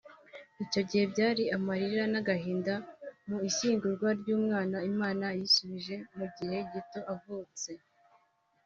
Icyo gihe byari amarira n’agahinda mu ishyingurwa ry’uwo mwana Imana yisubije nyuma y’igihe gito avutse